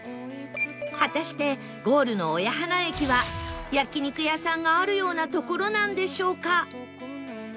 果たしてゴールの親鼻駅は焼肉屋さんがあるような所なんでしょうか？